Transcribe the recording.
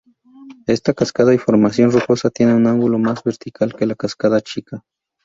Esta cascada y formación rocosa tiene un ángulo más vertical que la cascada chica.